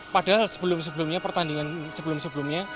padahal sebelum sebelumnya pertandingan sebelum sebelumnya